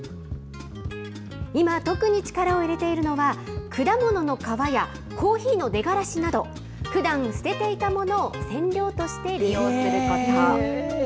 今、特に力を入れているのは、果物の皮やコーヒーの出がらしなど、ふだん捨てていたものを染料として利用すること。